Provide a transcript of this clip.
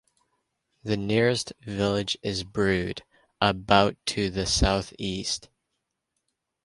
The nearest village is Brewood, about to the south-east.